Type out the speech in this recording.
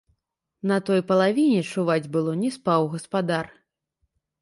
На той палавіне, чуваць было, не спаў гаспадар.